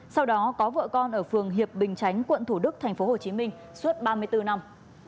sau đó có vợ con ở phường hiệp bình chánh quận thủ đức thành phố hồ chí minh suốt ba mươi bốn năm